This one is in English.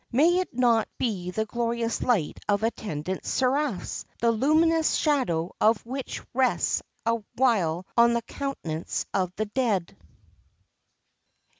May it not be the glorious light of attendant seraphs, the luminous shadow of which rests awhile on the countenance of the dead?